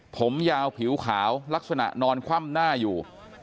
ผมยาวผิวขาวลักษณะนอนคว่ำหน้าอยู่